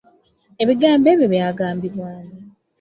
Ebigambo ebyo byagambibwa ani?